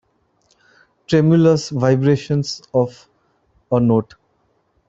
Tremulous vibration of a note.